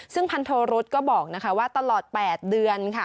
ซึ่งพันธุรุษก็บอกว่าตลอด๘เดือน